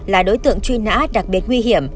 là đối tượng truy nã đặc biệt nguy hiểm